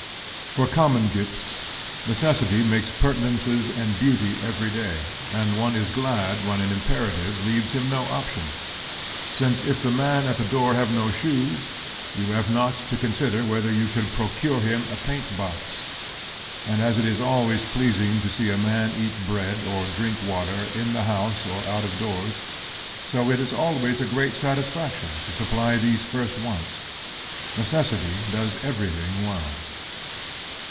For common gifts, necessity makes pertinences and beauty every day, and one is glad when an imperative leaves him no option; since if the man at the door have no shoes, you have not to consider whether you could procure him a paint box. And as it is always pleasing to see a man eat bread, or drink water, in the house or out of doors, so it is always a great satisfaction to supply these first wants. Necessity does everything well.